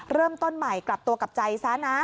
เริ่มต้นใหม่กลับตัวกลับใจซะนะ